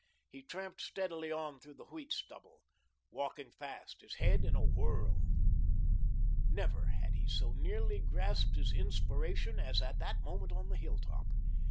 He tramped steadily on through the wheat stubble, walking fast, his head in a whirl. Never had he so nearly grasped his inspiration as at that moment on the hilltop.